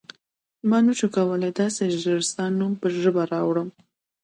ما نه شو کولای داسې ژر ستا نوم په ژبه راوړم.